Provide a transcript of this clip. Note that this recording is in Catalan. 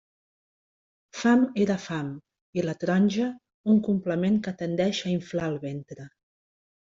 Fam era fam, i la taronja, un complement que tendeix a inflar el ventre.